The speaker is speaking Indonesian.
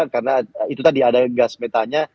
karena itu tadi ada gas metanya